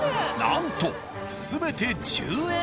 なんと全て１０円！